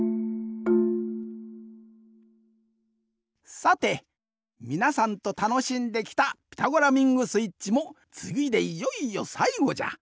さてみなさんとたのしんできた「ピタゴラミングスイッチ」もつぎでいよいよさいごじゃ。